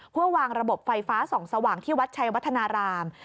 เพื่อวางระบบไฟฟ้าส่องสว่างที่วัดชัยวัฒนาราม